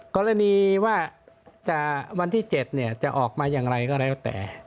กรณีว่าวันที่๗จะออกมาอย่างไรก็แล้วแต่